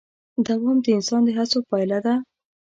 دوام د انسان د هڅو پایله ده.